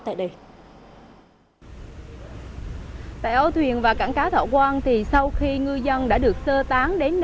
tại đà nẵng